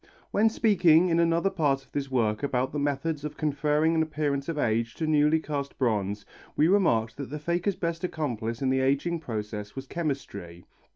When speaking in another part of this work about the methods of conferring an appearance of age to newly cast bronze, we remarked that the faker's best accomplice in the ageing process was chemistry.